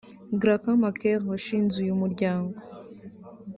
Graca Machel washinze uyu muryango